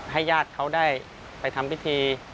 ญาติเขาได้ไปทำพิธี